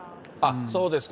そうですか。